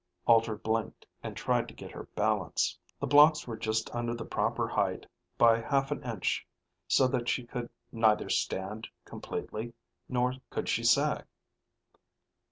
Alter blinked and tried to get her balance. The blocks were just under the proper height by half an inch so that she could neither stand completely nor could she sag.